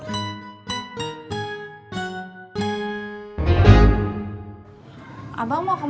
tidak ada yang bisa dikira